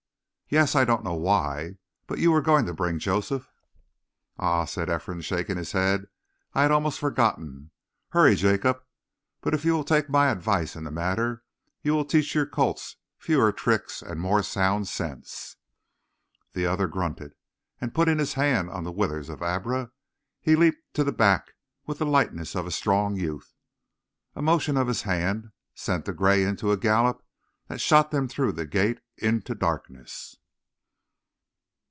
"Yes; I don't know why. But you were going to bring Joseph." "Ah," said Ephraim, shaking his head. "I had almost forgotten. Hurry, Jacob; but if you will take my advice in the matter you will teach your colts fewer tricks and more sound sense." The other grunted, and putting his hand on the withers of Abra, he leaped to the back with the lightness of a strong youth. A motion of his hand sent the gray into a gallop that shot them through the gate into darkness.